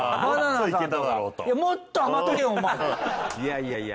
いやいや。